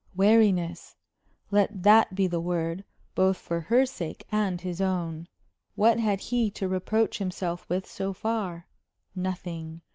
Wariness! let that be the word, both for her sake and his own. What had he to reproach himself with so far? Nothing.